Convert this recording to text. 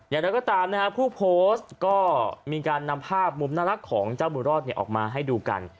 อย่างไรก็ตามนะฮะผู้โพสต์ก็มีการนำภาพมุมน่ารักของเจ้ามือรอดออกมาให้ดูกัน